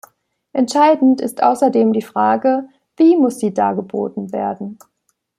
Entscheidend ist außerdem die Frage: Wie muss sie dargeboten werden?